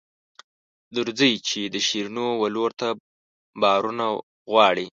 درځئ چې د شیرینو ولور په بارونو غواړي.